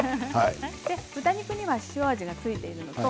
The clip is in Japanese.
豚肉には塩味が付いています。